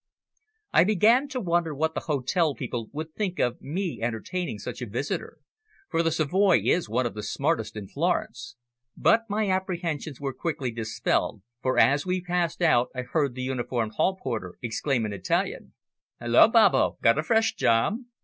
I began to wonder what the hotel people would think of me entertaining such a visitor, for the Savoy is one of the smartest in Florence, but my apprehensions were quickly dispelled, for as we passed out I heard the uniformed hall porter exclaim in Italian "Hulloa, Babbo! Got a fresh job?"